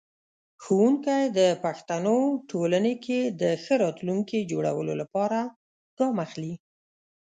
ښوونکی د پښتنو ټولنې کې د ښه راتلونکي جوړولو لپاره ګام اخلي.